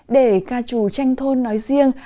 để ca chủ tranh thôn nói riêng